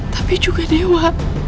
tapi juga dewa